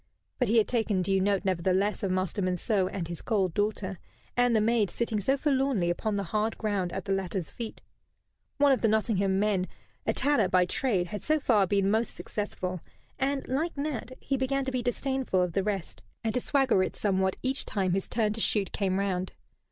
But he had taken due note, nevertheless, of Master Monceux and his cold daughter, and the maid sitting so forlornly upon the hard ground at the latter's feet. One of the Nottingham men, a tanner by trade, had so far been most successful, and, like Nat, he began to be disdainful of the rest, and to swagger it somewhat each time his turn to shoot came round.